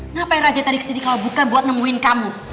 ngapain raja tarik sendiri kalau bukan buat nemuin kamu